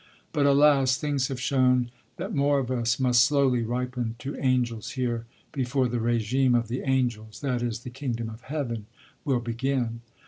But alas! things have shown that more of us must slowly ripen to angels here, before the régime of the angels, i.e. the Kingdom of Heaven, will begin."